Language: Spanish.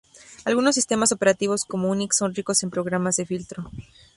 Algunos sistemas operativos como Unix son ricos en programas de filtro.